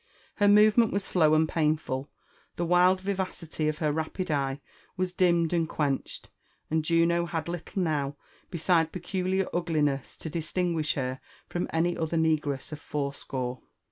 Her movement was slow and painful, the wild vivacity of her rapid eye was dimmed and quenched, and Juno hadiilittle now beside peculiar ugliness to distin guish her from any other negress of fourscore.